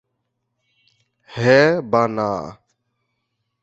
হ্যাঁ বা না?